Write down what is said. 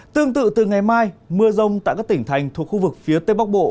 tương tự từ ngày mai mưa rông tại các tỉnh thành thuộc khu vực phía tây bắc bộ